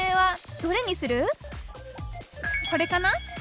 これかな？